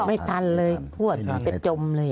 ไม่ทันเลยพวดไปจมเลย